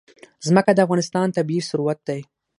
ځمکه د افغانستان طبعي ثروت دی.